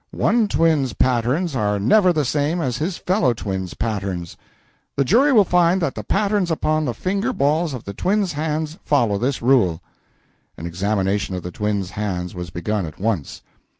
One twin's patterns are never the same as his fellow twin's patterns the jury will find that the patterns upon the finger balls of the accused follow this rule. [An examination of the twins' hands was begun at once.